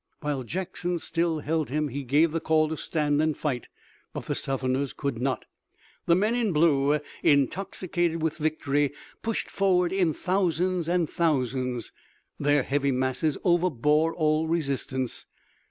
While Jackson still held him he gave the call to stand and fight. But the Southerners could not. The men in blue, intoxicated with victory, pushed forward in thousands and thousands. Their heavy masses overbore all resistance.